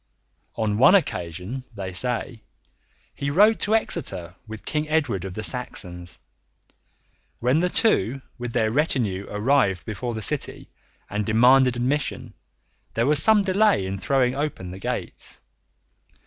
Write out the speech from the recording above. On one occasion, they say, he rode to Exeter with King Edward of the Saxons. When the two with their retinue arrived before the city and demanded admission, there was some delay in throwing open the gates.